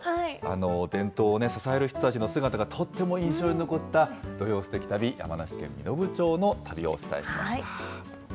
伝統を支える人たちの姿がとっても印象に残った土曜すてき旅、山梨県身延町の旅をお伝えしました。